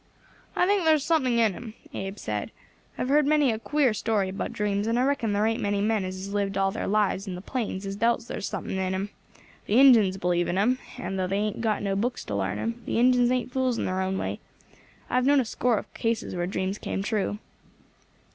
"I think thar's something in 'em," Abe said. "I have heard many a queer story about dreams, and I reckon thar ain't many men as has lived out all thar lives in the plains as doubts thar's something in 'em. The Injins believe in 'em, and, though they ain't got no books to larn 'em, the Injins ain't fools in their own way. I have known a score of cases where dreams came true."